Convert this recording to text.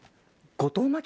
後藤真希！？